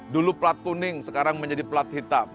dulu plat kuning sekarang menjadi plat hitam